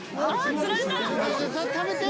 つられた！